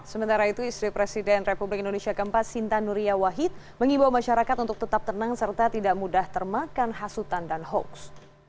sementara itu istri presiden republik indonesia keempat sinta nuria wahid mengimbau masyarakat untuk tetap tenang serta tidak mudah termakan hasutan dan hoaks